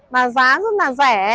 mà giá rất là rẻ